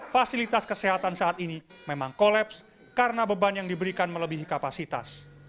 fasilitas kesehatan saat ini memang kolaps karena beban yang diberikan melebihi kapasitas